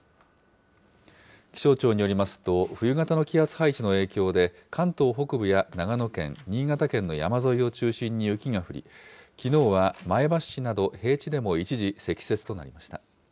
気象庁によりますと、冬型の気圧配置の影響で関東北部や長野県、新潟県の山沿いを中心に雪が降り、きのうは前橋市など平地でも一時、積雪となりました。